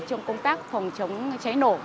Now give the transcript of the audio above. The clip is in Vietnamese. trong công tác phòng chống cháy nổ